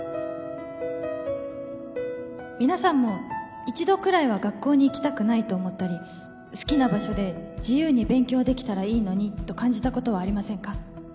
皆さんも一度くらいは学校に行きたくないと思ったり好きな場所で自由に勉強できたらいいのにと感じたことはありませんか？